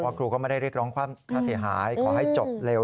บอกว่าครูก็ไม่ได้เรียกร้องค่าเสียหายขอให้จบเร็ว